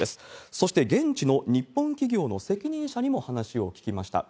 そして現地の日本企業の責任者にも話を聞きました。